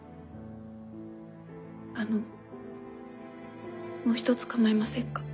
あのもう一つ構いませんか？